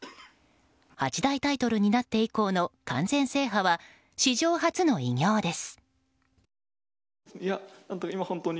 八大タイトルになって以降の完全制覇は史上初の偉業です。